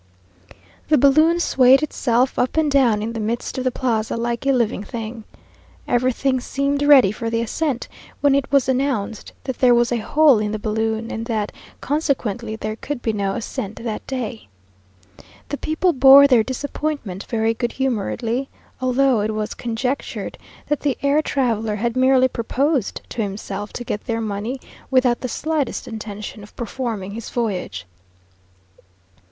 The balloon swayed itself up and down in the midst of the plaza like a living thing. Everything seemed ready for the ascent, when it was announced that there was a hole in the balloon, and that, consequently, there could be no ascent that day. The people bore their disappointment very good humouredly, although it was conjectured that the air traveller had merely proposed to himself to get their money, without the slightest intention of performing his voyage.